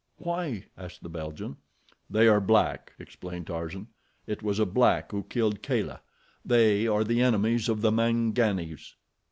"Why?" asked the Belgian. "They are black," explained Tarzan. "It was a black who killed Kala. They are the enemies of the Manganis."